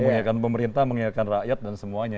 mengingatkan pemerintah mengingatkan rakyat dan semuanya